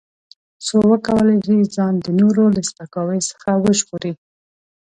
څو وکولای شي ځان د نورو له سپکاوي څخه وژغوري.